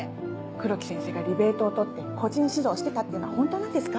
黒木先生がリベートを取って個人指導してたっていうのは本当なんですか？